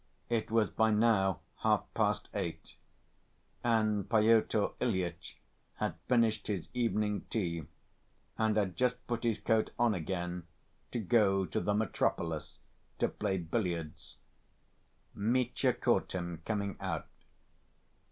It was by now half‐past eight, and Pyotr Ilyitch had finished his evening tea, and had just put his coat on again to go to the "Metropolis" to play billiards. Mitya caught him coming out.